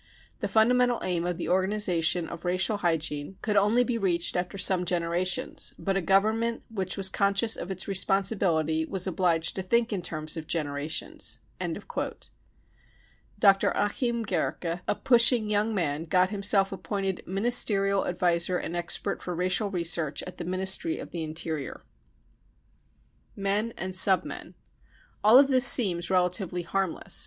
The fundamental aim of the organisation of racial hygiene could only be reached after some generations, but a Government which was conscious of its responsibility was obliged to think in terms of generations." Dr. Achim Gercke, a pushing young man, got himself appointed " Ministerial Adviser and Expert for Racial Research in the Ministry of the Interior." Men and 4 c Sub Men. 55 All of this seems relatively " harm less."